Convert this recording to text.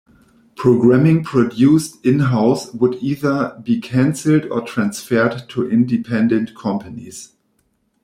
Programming produced in-house would either be cancelled or transferred to independent companies.